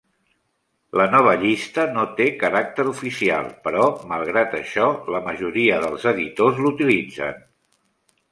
La nova llista no té caràcter oficial, però malgrat això la majoria dels editors l'utilitzen..